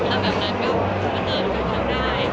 ขอบคุณภาษาให้ด้วยเนี่ย